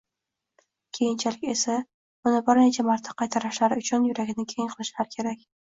keyinchalik esa uni bir necha marta qaytarishlari uchun yurakni keng qilishlari kerak.